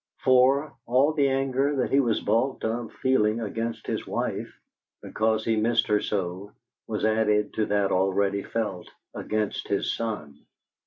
For, all the anger that he was balked of feeling against his wife, because he missed her so, was added to that already felt against his son.